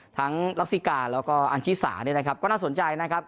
ทั้งลักษิกาแล้วก็อันชีสาก็น่าสนใจนะครับ